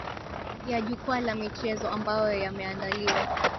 ya jukwaa la michezo ambayo yameandaliwa